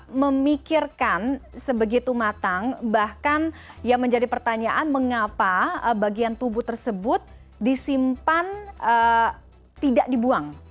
mereka memikirkan sebegitu matang bahkan yang menjadi pertanyaan mengapa bagian tubuh tersebut disimpan tidak dibuang